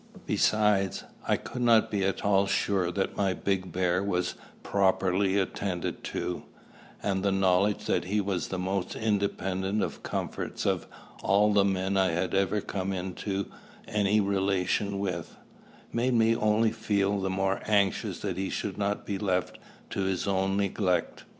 Besides, I could not be at all sure that my big bear was properly attended to; and the knowledge that he was the most independent of comforts of all the men I had ever come into any relation with, made me only feel the more anxious that he should not be left to his own neglect.